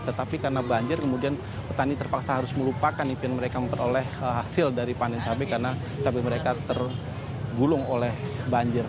tetapi karena banjir kemudian petani terpaksa harus melupakan impian mereka memperoleh hasil dari panen cabai karena cabai mereka tergulung oleh banjir